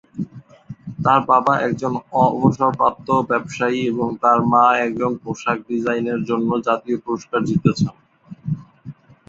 তার বাবা একজন অবসরপ্রাপ্ত ব্যবসায়ী এবং তার মা একজন পোশাক ডিজাইনের জন্য জাতীয় পুরস্কার জিতেছেন।